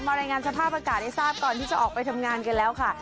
รายงานสภาพอากาศให้ทราบก่อนที่จะออกไปทำงานกันแล้วค่ะ